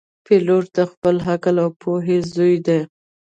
پیلوټ د خپل عقل او پوهې زوی دی.